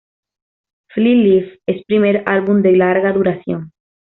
Flyleaf es primer álbum de larga duración.